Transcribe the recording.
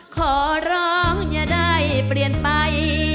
ขอร้องอย่าได้เปลี่ยนไป